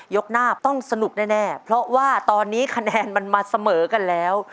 หน้าต้องสนุกแน่เพราะว่าตอนนี้คะแนนมันมาเสมอกันแล้ว